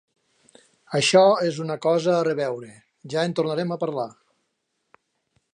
Això és una cosa a reveure: ja en tornarem a parlar.